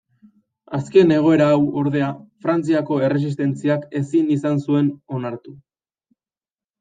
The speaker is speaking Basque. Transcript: Azken egoera hau, ordea, Frantziako Erresistentziak ezin izan zuen onartu.